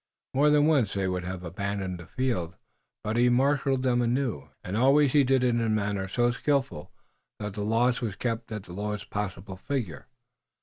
More than once they would have abandoned the field, but he marshaled them anew, and always he did it in a manner so skillful that the loss was kept at the lowest possible figure.